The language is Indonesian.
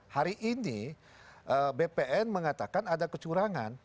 hari ini bpn mengatakan ada kecurangan